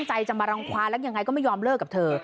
ใจจะมารังความแล้วยังไงก็ไม่ยอมเลิกกับเธอ